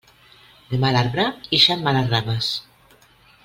De mal arbre ixen males rames.